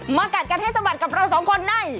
กัดกันให้สะบัดกับเราสองคนใน